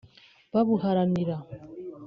babuharanira